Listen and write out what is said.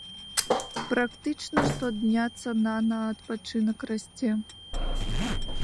Практычна штодня цана на адпачынак расце.